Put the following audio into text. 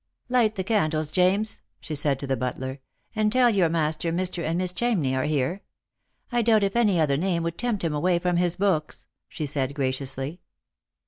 " Light the candles, James," she said to the butler, " and tell your master Mr. and Miss Chamney are here. I doubt if any other name would tempt him away from his books," she said graciously.